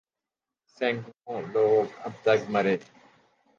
سینکڑوں لوگ اب تک مارے